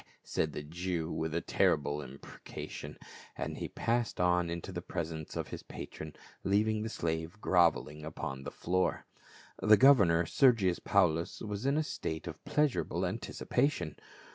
said the Jew with a terri ble imprecation, and he passed on into the presence of his patron, leaving the slave groveling upon the floor. The governor, Sergius Paulus, was in a state of pleasurable anticipation.